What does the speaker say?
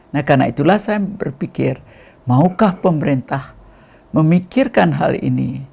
nah karena itulah saya berpikir maukah pemerintah memikirkan hal ini